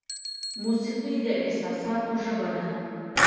موسیقي د احساساتو ژبه ده.